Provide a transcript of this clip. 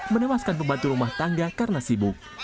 menewaskan pembantu rumah tangga karena sibuk